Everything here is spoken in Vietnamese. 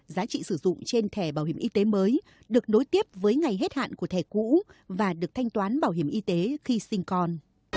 giá trị sử dụng trên thẻ bảo hiểm y tế mới được nối tiếp với ngày hết hạn của thẻ cũ và được thanh toán bảo hiểm y tế khi sinh con